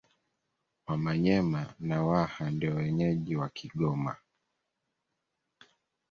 Wamanyema na Waha ndio wenyeji wa Kigoma